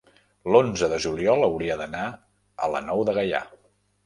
l'onze de juliol hauria d'anar a la Nou de Gaià.